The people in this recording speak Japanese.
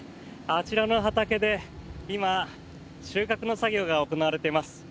あちらの畑で今収穫の作業が行われています。